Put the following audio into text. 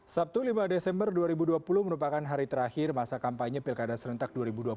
sabtu lima desember dua ribu dua puluh merupakan hari terakhir masa kampanye pilkada serentak dua ribu dua puluh